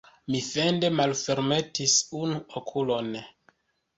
Mi fende malfermetis unu okulon.